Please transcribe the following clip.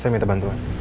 saya minta bantuan